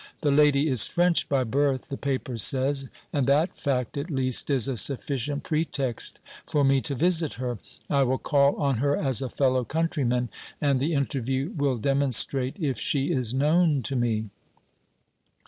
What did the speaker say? The lady is French by birth, the paper says, and that fact, at least, is a sufficient pretext for me to visit her. I will call on her as a fellow countryman, and the interview will demonstrate if she is known to me."